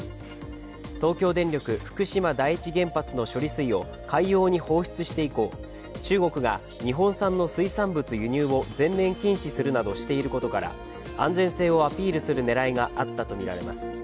東京電力福島第一原発の処理水を海洋に放出して以降中国が日本産の水産物輸入を全面禁止するなどしていることから安全性をアピールする狙いがあったとみられます。